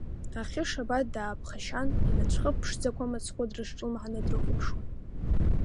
Ахьы Шабаҭ дааԥхашьан, инацәхыԥ ԥшӡақәа мыцхәы дрызҿлымҳаны дрыхәаԥшуан.